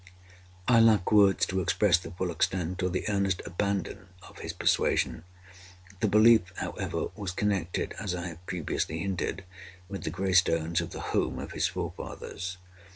I lack words to express the full extent, or the earnest abandon of his persuasion. The belief, however, was connected (as I have previously hinted) with the gray stones of the home of his forefathers.